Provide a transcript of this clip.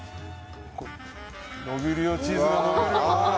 伸びるよ、チーズが。